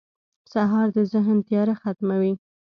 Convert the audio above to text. سهار د ذهن تیاره ختموي.